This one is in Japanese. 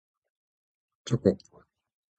チョコ